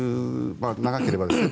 長ければ。